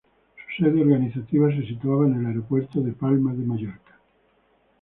Su sede organizativa se situaba en el aeropuerto de Palma de Mallorca.